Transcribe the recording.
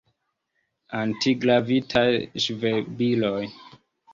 Antigravitaj ŝvebiloj.